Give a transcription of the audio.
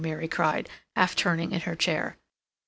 Mary cried, half turning in her chair.